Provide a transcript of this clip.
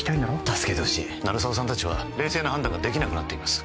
助けてほしい鳴沢さん達は冷静な判断ができなくなっています